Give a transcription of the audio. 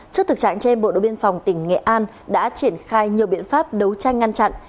trước thực trạng trên bộ đội biên phòng tỉnh nghệ an đã triển khai nhiều biện pháp đấu tranh ngăn chặn